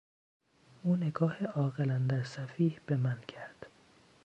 او نگاه عاقل اندر سفیه به من کرد.